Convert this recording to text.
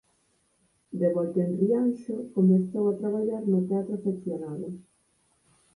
De volta en Rianxo comezou a traballar no teatro afeccionado.